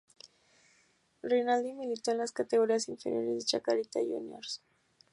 Rinaldi militó en las categorías inferiores de Chacarita Juniors.